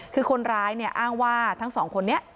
คือคนร้ายเนี่ยอ้างว่าทั้งสองคนนี้